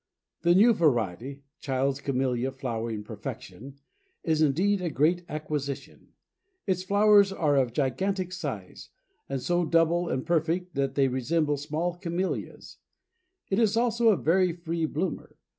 The new variety (Child's Camellia Flowered Perfection), is indeed a great acquisition; its flowers are of gigantic size, and so double and perfect that they resemble small Camellias; it is also a very free bloomer.